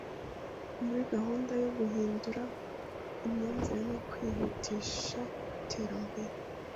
muri gahunda yo guhindura imyumvire no kwihutishaiterambere